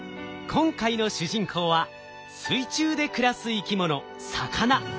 今回の主人公は水中で暮らす生き物魚。